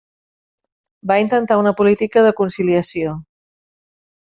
Va intentar una política de conciliació.